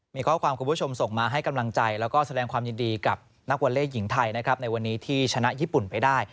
มีข้อความคุณผู้ชมส่งมาให้กำลังใจแล้วก็แสดงความยินดีกับนักวอลเล่หญิงไทยนะครับในวันนี้ที่ชนะญี่ปุ่นไปได้